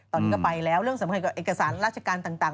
ตอนนี้ก็ไปแล้วเรื่องสำคัญกับเอกสารราชการต่าง